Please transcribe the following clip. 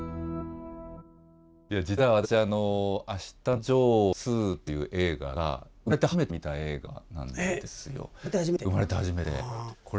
いや実は私「あしたのジョー２」という映画が生まれて初めて見た映画なんですよ。